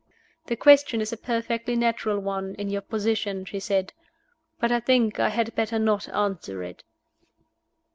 "The question is a perfectly natural one in your position," she said. "But I think I had better not answer it."